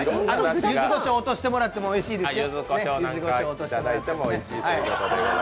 ゆずこしょう落としてもらってもおいしいですよ。